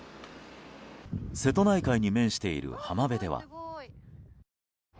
瀬戸内海に面している浜辺では。